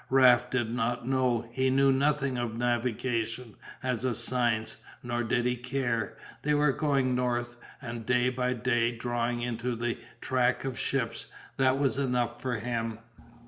Raft did not know, he knew nothing of navigation as a science, nor did he care, they were going north and day by day drawing into the track of ships, that was enough for him.